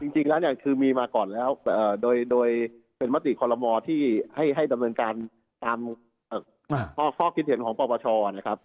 จริงแล้วเนี่ยคือมีมาก่อนแล้วโดยเป็นมติคอลโมที่ให้ดำเนินการตามข้อคิดเห็นของปปชนะครับ